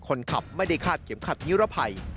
คนขับไม่ได้คาดเข็มขัดนิรภัย